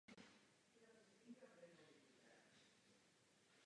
Přímo ve vesnici je několik památných stromů.